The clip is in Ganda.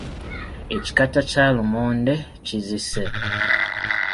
Ekikata kya lumonde kizise.